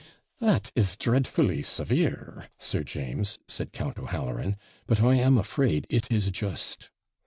'That is dreadfully severe, Sir James,' said Count O'Halloran; 'but I am afraid it is just.'